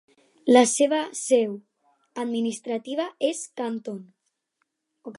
La seva seu administrativa és Canton.